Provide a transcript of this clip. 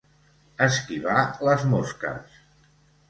Esquivar les mosques.